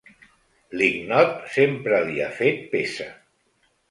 L'ignot sempre li ha fet peça.